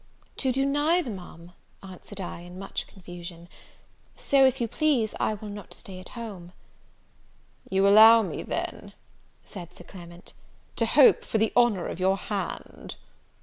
"To do neither, Ma'am," answered I, in much confusion; "so, if you please, I will not stay at home." "You allow me, then," said Sir Clement, "to hope for the honour of your hand?"